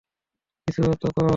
কিছু তো কর।